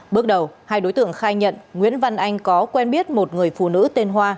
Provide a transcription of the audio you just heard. bước đầu hai đối tượng khai nhận nguyễn văn anh có quen biết một người phụ nữ tên hoa